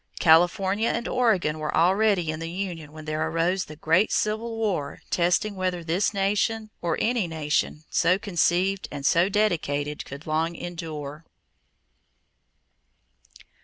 California and Oregon were already in the union when there arose the Great Civil War testing whether this nation or any nation so conceived and so dedicated could long endure.